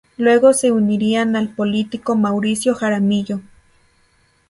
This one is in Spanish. Luego se uniría al político Mauricio Jaramillo.